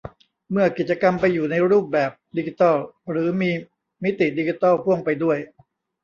เมื่อกิจกรรมไปอยู่ในรูปแบบดิจิทัลหรือมีมิติดิจิทัลพ่วงไปด้วย